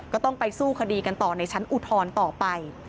ก็ต้องไปสู้คดีกันต่อในชั้นอุทธรณ์ต่อไป